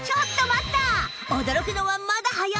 驚くのはまだ早い！